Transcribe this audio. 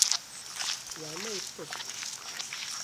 Yeεna yeṭṭes.